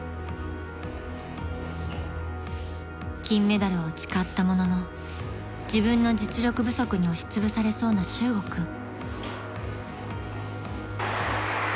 ［金メダルを誓ったものの自分の実力不足に押しつぶされそうな修悟君］